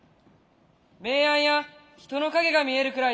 明暗や人の影が見えるくらいだ。